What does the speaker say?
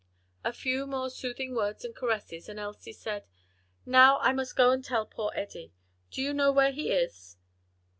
A few more soothing words and caresses and Elsie said, "Now I must go and tell poor Eddie. Do you know where he is?"